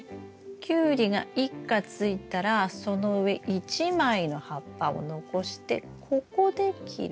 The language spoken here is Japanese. キュウリが一果ついたらその上１枚の葉っぱを残してここで切る。